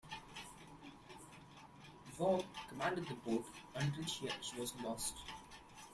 Vowe commanded the boat until she was lost.